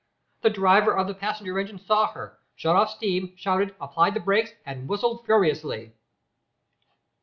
The driver of the passenger engine saw her, shut off steam, shouted, applied the brakes and whistled furiously.